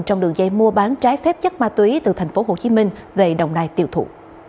trong đường dây mua bán trái phép chất ma túy từ tp hcm về đồng nai tiêu thụ